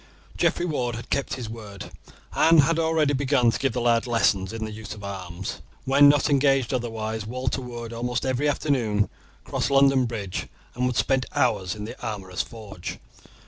Geoffrey Ward had kept his word, and had already begun to give the lad lessons in the use of arms. When not engaged otherwise Walter would, almost every afternoon, cross London Bridge and would spend hours in the armourer's forge.